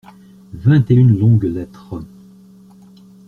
Vingt et une longues lettres.